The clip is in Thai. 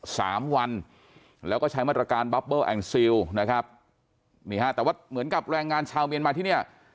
สามวันแล้วก็ใช้มาตรการนะครับนี่ฮะแต่ว่าเหมือนกับแรงงานชาวเมียนมาที่นี่